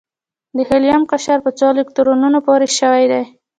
د هیلیم قشر په څو الکترونونو پوره شوی دی؟